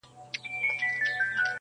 راسه قباله يې درله در کړمه.